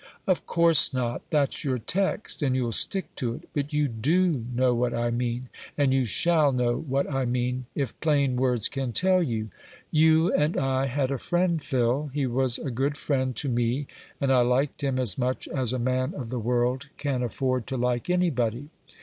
"Of course not. That's your text, and you'll stick to it. But you do know what I mean, and you shall know what I mean, if plain words can tell you. You and I had a friend, Phil. He was a good friend to me, and I liked him as much as a man of the world can afford to like anybody.